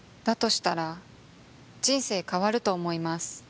したら人生変わると思います